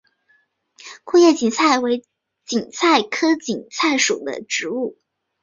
库页堇菜为堇菜科堇菜属的植物。